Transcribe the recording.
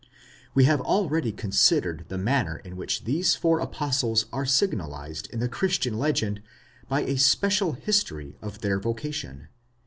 We have already considered the manner in which these four apostles are signalized in the Christian legend by a special history of their vocation.